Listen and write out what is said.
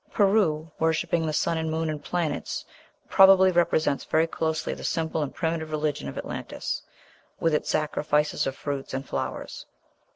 Peru, worshipping the sun and moon and planets, probably represents very closely the simple and primitive religion of Atlantis, with its sacrifices of fruits and flowers.